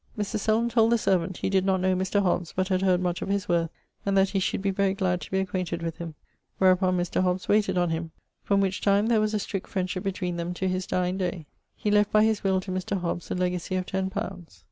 Mr. Selden told the servant, he did not know Mr. Hobbes, but had heard much of his worth, and that he should be very glad to be acquainted with him. Wherupon Mr. Hobbes wayted on him. From which time there was a strict friendship between to his dyeing day. He left by his will to Mr. Hobbes a legacy of ten poundes.